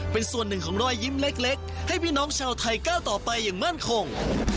เป็นส่วนหนึ่งของรอยยิ้มเล็กให้พี่น้องชาวไทยก้าวต่อไปอย่างมั่นคง